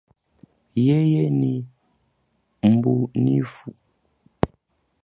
Yeye ni mbunifu